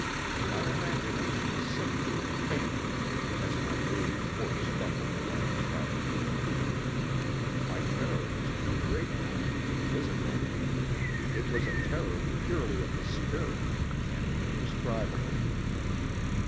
My imagination sickened, fainted, as my wearied horse stumbled along the shadowy roads. My terror was too great now to be physical. It was a terror purely of the spirit, and indescribable.